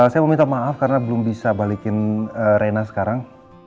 saya meminta maaf karena belum bisa balikin rena sekarang